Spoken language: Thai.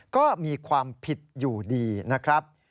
ก็มีความผิดอยู่ดีนะครับ